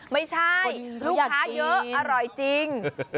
ไม่ใช่ลูกค้าเยอะอร่อยจริง